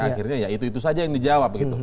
akhirnya ya itu itu saja yang dijawab